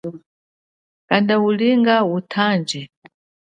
Kanda ulinga utanji.